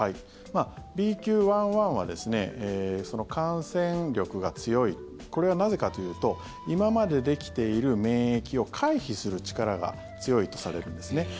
ＢＱ．１．１は感染力が強いこれはなぜかというと今までできている免疫を回避する力が強いとされるんですね。